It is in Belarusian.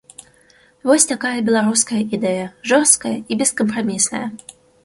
Вось такая беларуская ідэя, жорсткая і бескампрамісная.